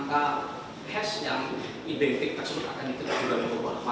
maka has yang identik tersebut akan itu berubah